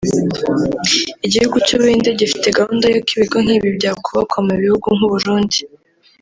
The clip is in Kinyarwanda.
Igihugu cy’u Buhinde gifite gahunda y’uko ibigo nk’ibi byakubakwa mu bihugu nk’u Burundi